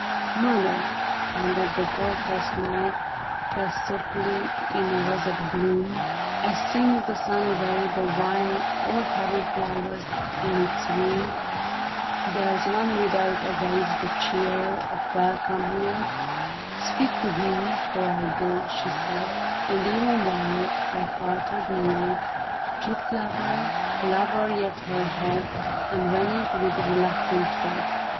"Mother —" and at the word her smile Passed softly in a roseate bloom. THE BARRICADE. As sinks the sun away, the while All heaven flowers in its room —•" There's one without av/aits the cheer Of welcome here ; Speak to him for I go," she said ; And even while I faltered near, Drooped lower, lower yet her head, And vanished with reluctant tread.